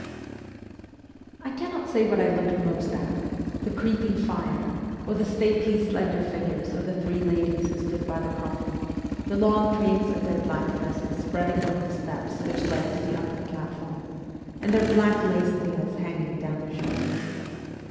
VOL. I. K 130 MEMOIRS OF A REVOLUTIONIST I cannot say what I looked most at : the creeping fire or the stately slender figures of the three ladies who stood by the coffin, the long trains of their black dresses spreading over the steps which led to the upper platform, and their black lace veils hanging down their shoulders.